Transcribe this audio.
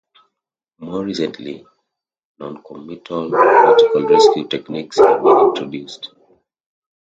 More recently, Noncommittal Vertical Rescue Techniques have been introduced.